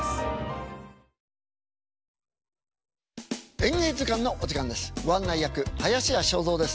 「演芸図鑑」のお時間です。